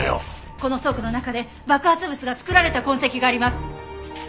この倉庫の中で爆発物が作られた痕跡があります。